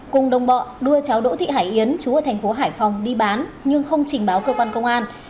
cùng đồng bọn đưa cháu đỗ thị hải yến chú ở thành phố hải phòng đi bán nhưng không trình báo cơ quan công an